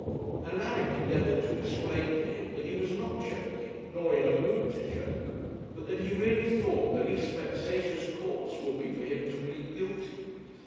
Alaric endeavoured to explain to him that he was not joking, nor in a mood to joke; but that he really thought the least vexatious course would be for him to plead guilty.